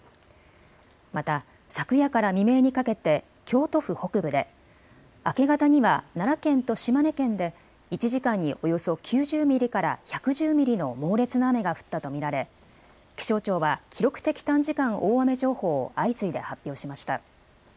また昨夜から未明にかけて京都府北部で明け方には奈良県と島根県で１時間におよそ９０ミリから１１０ミリの猛烈な雨が降ったと見られ気象庁は記録的短時間大雨情報を相次いで発表しました。